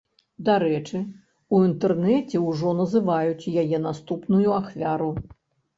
Дарэчы, у інтэрнэце ўжо называюць яе наступную ахвяру.